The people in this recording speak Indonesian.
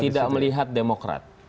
tidak melihat demokrat